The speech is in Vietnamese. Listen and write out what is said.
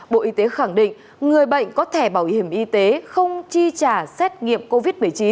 bộ y tế khẳng định người bệnh có thẻ bảo hiểm y tế không chi trả xét nghiệm covid một mươi chín